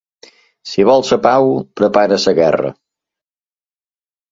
Si vols la pau, prepara la guerra.